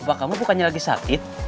wah kamu bukannya lagi sakit